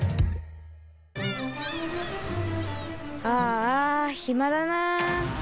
ああひまだな。